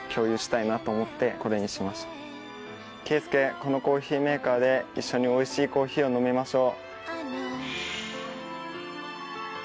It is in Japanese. このコーヒーメーカーで一緒においしいコーヒーを飲みましょう。